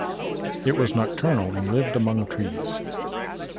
It was nocturnal and lived among trees.